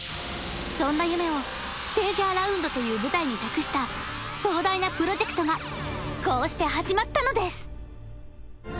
そんな夢をステージアラウンドという舞台に託した壮大なプロジェクトがこうして始まったのです